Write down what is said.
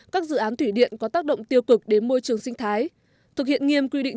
các dự án thủy điện có tác động tiêu cực đến môi trường sinh thái thực hiện nghiêm quy định